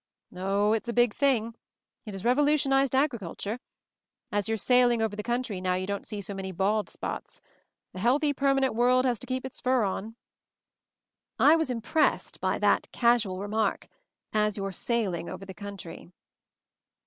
"Oh, it's a big thing; it has revolutionized agriculture. As you're sailing over the country now you don't see so many bald spots. A healthy, permanent world has to keep its fur on." I was impressed by that casual remark, "As you're sailing over the country."